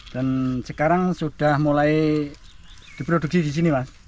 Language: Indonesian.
dan sekarang sudah mulai diproduksi di sini mas